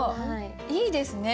いいですね。